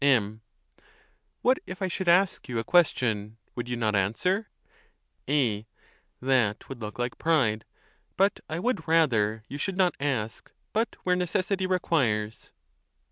M. What, if I should ask you a question, would you not answer ? A. That would look like pride; but I would rather you should not ask but where necessity requires.